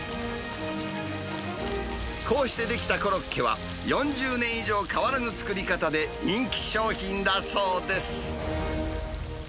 こうして出来たコロッケは、４０年以上変わらぬ作り方で、人気商品だそうです。